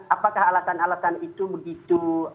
apakah alasan alasan itu begitu